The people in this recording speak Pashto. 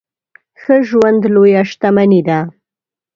ښه ژوند لويه شتمني ده.